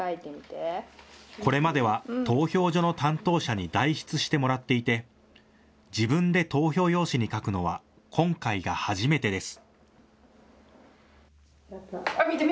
これまでは投票所の担当者に代筆してもらっていて自分で投票用紙に書くのは今回が初めてです。